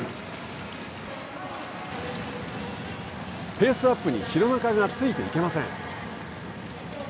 ペースアップに廣中がついていけません。